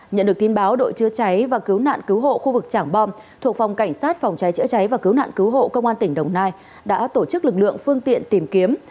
nhận được tin báo đội chữa cháy và cứu nạn cứu hộ khu vực trảng bom thuộc phòng cảnh sát phòng cháy chữa cháy và cứu nạn cứu hộ công an tỉnh đồng nai đã tổ chức lực lượng phương tiện tìm kiếm